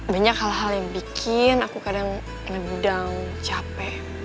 banyak hal hal yang bikin aku kadang ngedang capek